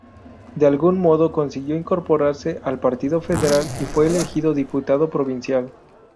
De algún modo consiguió incorporarse al Partido Federal, y fue elegido diputado provincial.